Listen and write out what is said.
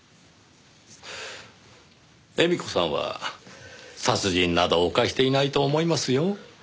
絵美子さんは殺人など犯していないと思いますよ。